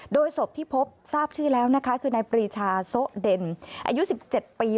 โดยศพที่พบทราบชื่อแล้วนะคะคือนายปรีชาโซะเด่นอายุ๑๗ปี